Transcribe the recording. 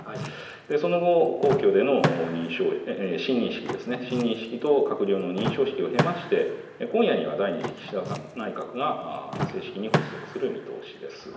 その後、皇居での信任式ですね、信任式と閣僚の認証式を経まして、今夜には第２次岸田内閣が正式に発足する見通しです。